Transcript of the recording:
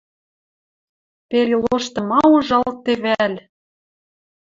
Пел и лошты ма ужалтде вӓл!